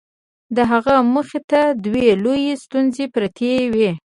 د هغه مخې ته دوې لويې ستونزې پرتې وې.